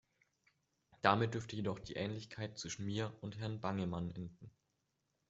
Damit dürfte jedoch die Ähnlichkeit zwischen mir und Herrn Bangemann enden.